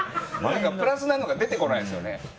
プラスなのが出てこないですよね。